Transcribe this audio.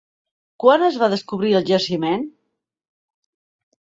Quan es va descobrir el jaciment?